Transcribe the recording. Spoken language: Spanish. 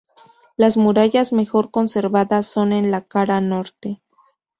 Las murallas mejor conservadas son en la cara norte.